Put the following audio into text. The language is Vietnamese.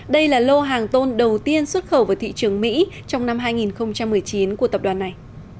đây là lô hàng tôn đầu tiên xuất khẩu vào thị trường mỹ trong năm hai nghìn một mươi chín của tập đoàn này